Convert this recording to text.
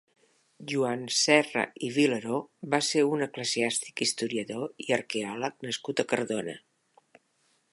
Joan Serra i Vilaró va ser un eclesiàstic, historiador i arqueòleg nascut a Cardona.